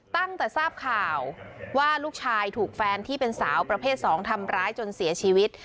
ตั้งแต่ทราบข่าวว่าลูกชายถูกแฟนที่เป็นสาวประเภท๒ทำร้ายจนเสียชีวิต